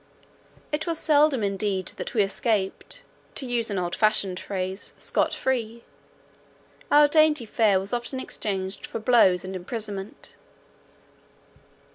It was seldom indeed that we escaped, to use an old fashioned phrase, scot free. Our dainty fare was often exchanged for blows and imprisonment.